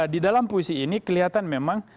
di dalam puisi ini kelihatan memang